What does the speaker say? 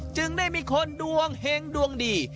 จึงได้มีคนดวงเห็งดวงดี